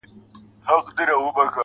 اوس د چا پر پلونو پل نږدم بېرېږم.